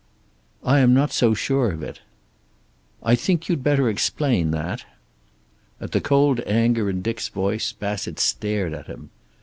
"I am not so sure of it." "I think you'd better explain that." At the cold anger in Dick's voice Bassett stared at him.